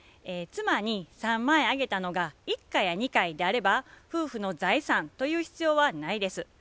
妻に３万円あげたのが１回や２回であれば夫婦の財産という必要はないです。